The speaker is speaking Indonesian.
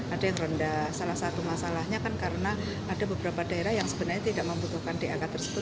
ada yang rendah salah satu masalahnya kan karena ada beberapa daerah yang sebenarnya tidak membutuhkan dak tersebut